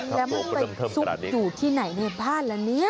แล้วมันไปซุกอยู่ที่ไหนในบ้านละเนี่ย